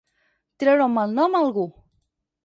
Treure un malnom a algú.